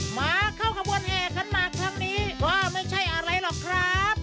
มาเข้าขบวนแห่ขันหมากครั้งนี้ว่าไม่ใช่อะไรหรอกครับ